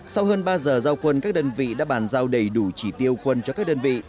sau hơn ba giờ giao quân các đơn vị đã bàn giao đầy đủ chỉ tiêu quân cho các đơn vị